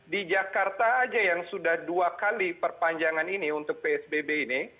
di jakarta saja yang sudah dua kali perpanjangan ini untuk psbb ini